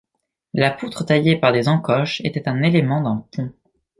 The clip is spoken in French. La poutre taillée par des encoches était un élément d'un pont.